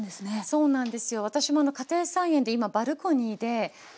そうなんです。